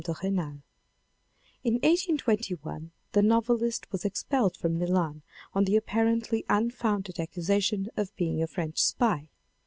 de Renal. In 1821 the novelist was expelled from Milan on the apparently unfounded accusation of being a French spy.